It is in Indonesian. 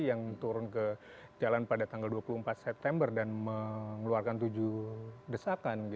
yang turun ke jalan pada tanggal dua puluh empat september dan mengeluarkan tujuh desakan